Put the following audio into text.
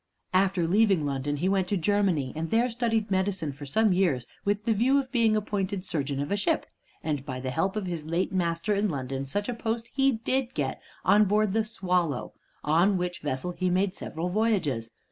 After leaving London, he went to Germany, and there studied medicine for some years, with the view of being appointed surgeon of a ship. And by the help of his late master in London, such a post he did get on board the "Swallow" on which vessel he made several voyages.